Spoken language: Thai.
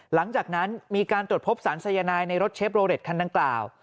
หลังจากนั้นมีการตรวจพบสารสายนายในรถเชฟโรเร็ตคันดังกล่าว